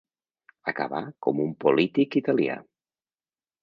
Acabar com un polític italià.